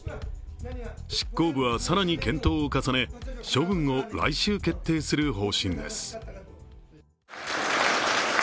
執行部は更に検討を重ね処分を来週決定する方針です。